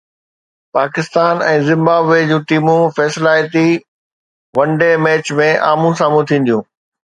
Pakistan ۽ Zimbabwe جون ٽيمون فيصلائتي ون ڊي ميچ ۾ آمهون سامهون ٿينديون